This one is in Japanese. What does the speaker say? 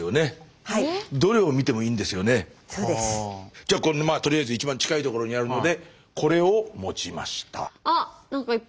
じゃあとりあえず一番近い所にあるのでこれを持ちました。